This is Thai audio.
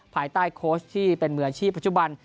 ภายใต้โค้ชที่เป็นมืออาชีพปัจจุบัน